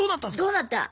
どうなった？